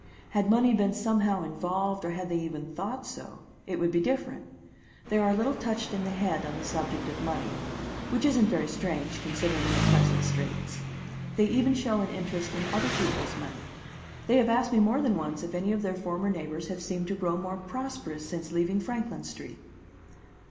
Had money been somehow involved, or had they even thought so, it would be different. They are a little touched in the head on the subject of money; which isn't very strange considering their present straits. They even show an interest in other people's money. They have asked me more than once if any of their former neighbors have seemed to grow more prosperous since leaving Franklin Street."